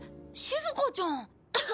しずかちゃん。